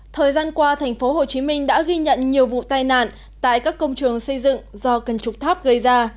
thời gian qua thành phố hồ chí minh đã ghi nhận nhiều vụ tai nạn tại các công trường xây dựng do cân trục tháp gây ra